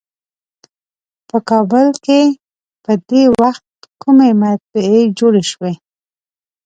په کابل کې په دې وخت کومې مطبعې جوړې شوې.